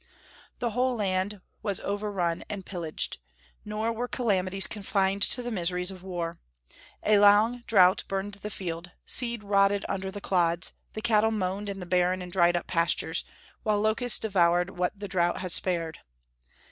The whole land was overrun and pillaged. Nor were calamities confined to the miseries of war. A long drouth burned the fields; seed rotted under the clods; the cattle moaned in the barren and dried up pastures; while locusts devoured what the drouth had spared.